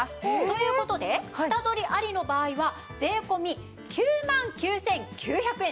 という事で下取りありの場合は税込９万９９００円です。